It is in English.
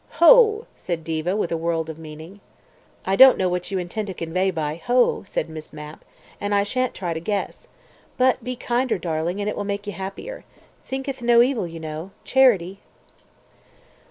"Ho!" said Diva with a world of meaning. "I don't know what you intend to convey by ho," said Miss Mapp, "and I shan't try to guess. But be kinder, darling, and it will make you happier. Thinketh no evil, you know! Charity!"